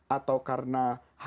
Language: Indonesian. atau karena hadasnya